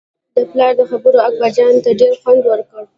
د پلار دې خبرو اکبرجان ته ډېر خوند ورکړ.